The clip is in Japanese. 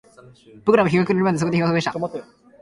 僕らは日が暮れるまでそこで過ごした